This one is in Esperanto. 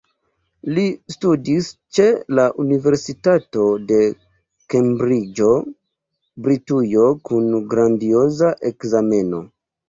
Li studis ĉe la universitato de Kembriĝo, Britujo kun grandioza ekzameno.